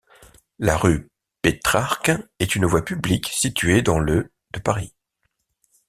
La rue Pétrarque est une voie publique située dans le de Paris.